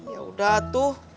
ya udah tuh